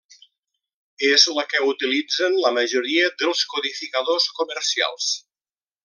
És la que utilitzen la majoria dels codificadors comercials.